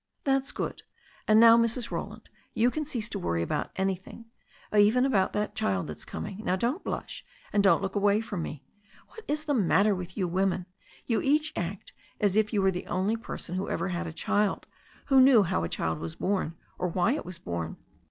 "That's good. And now, Mrs. Roland, you cease to worry about anything, even about the child that's coming — ^now don't blush, and don't look away from me. What is the matter with you women? You each act as if you were the only person who ever had a child, who knew how a child was bom or why it was born.